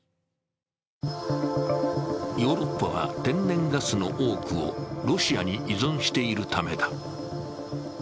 ヨーロッパは天然ガスの多くをロシアに依存しているためだ。